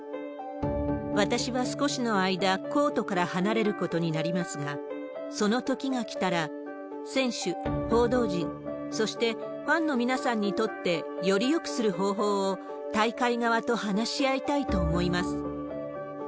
私は少しの間、コートから離れることになりますが、そのときが来たら、選手、報道陣、そしてファンの皆さんにとってよりよくする方法を大会側と話し合いたいと思います。